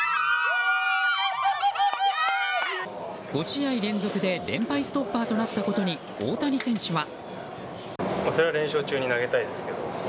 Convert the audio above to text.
５試合連続で連敗ストッパーとなったことに大谷選手は。